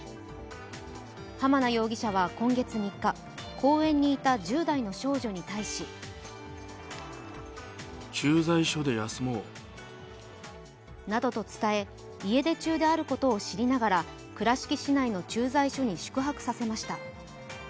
濱名容疑者は今月３日公園にいた１０代の少女に対しなどと伝え家出中であることを知りながら倉敷市内の駐在所に宿泊させました。